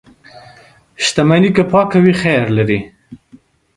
• شتمني که پاکه وي، خیر لري.